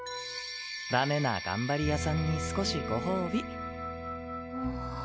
ダメな頑張り屋さんに少しご褒美。